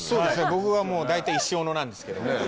僕はもう大体石斧なんですけど。